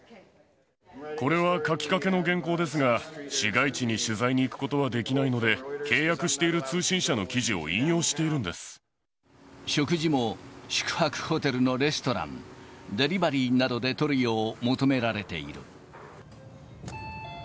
これは書きかけの原稿ですが、市街地に取材に行くことはできないので、契約している通信社の記食事も宿泊ホテルのレストラン、デリバリーなどでとるよう求められている。